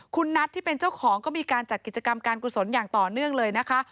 คุณนัทที่เป็นเจ้าของก็มีการจัดกิจกรรมการกุศลอย่างต่อเนื่องเลยนะคะ